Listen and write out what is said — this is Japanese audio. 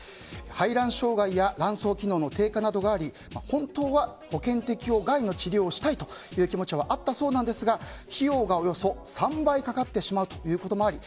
排卵障害や卵巣の機能の低下などがあり本当は保険適用外の治療をしたいという気持ちはあったそうですが費用がおよそ３倍かかってしまうこともあり